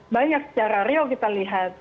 banyak secara real kita lihat